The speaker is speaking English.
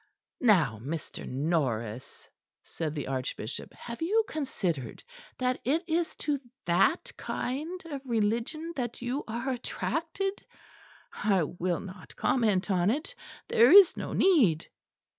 '" "Now, Mr. Norris," said the Archbishop, "have you considered that it is to that kind of religion that you are attracted? I will not comment on it; there is no need."